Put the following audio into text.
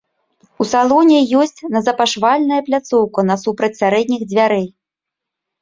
У салоне ёсць назапашвальная пляцоўка насупраць сярэдніх дзвярэй.